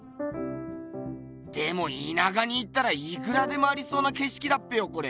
でもいなかに行ったらいくらでもありそうなけしきだっぺよこれ。